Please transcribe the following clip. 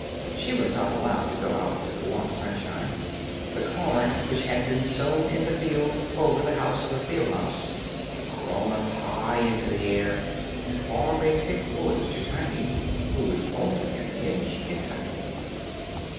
She was not allowed to go out into the warm sunshine. The corn which had been sown in the field over the house of the field mouse had grown up high into the air, and formed a thick wood to Tiny, who was only an inch in height.